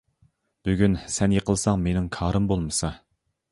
بۈگۈن سەن يىقىلساڭ مىنىڭ كارىم بولمىسا.